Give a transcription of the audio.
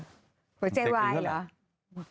หัวใจไหวหรอ